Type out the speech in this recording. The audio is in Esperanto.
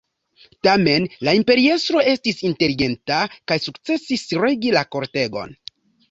Tamen, la imperiestro estis inteligenta kaj sukcesis regi la kortegon.